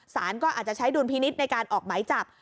สารก็อาจจะใช้ดุลพินิษฐ์ในการออกหมายจับ